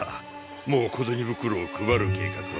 もう小銭袋を配る計画は中止しよう。